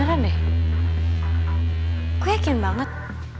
aku yakin banget